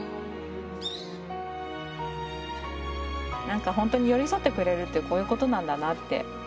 何か本当に寄り添ってくれるってこういうことなんだなって。